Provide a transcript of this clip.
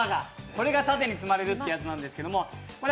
これが縦に積まれるということなんですけどこれ